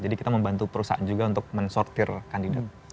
jadi kita membantu perusahaan juga untuk men sortir kandidat